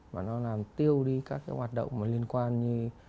và nó làm tiêu đi các cái hoạt động liên quan như